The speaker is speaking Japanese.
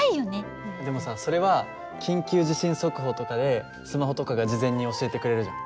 でもさそれは緊急地震速報とかでスマホとかが事前に教えてくれるじゃん。